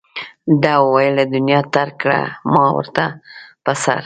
ده وویل له دنیا ترک کړه ما ورته په سر.